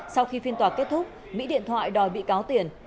sau khi phiên tòa kết thúc mỹ điện thoại đòi bị cáo tiền